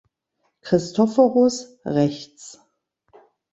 Christophorus (rechts).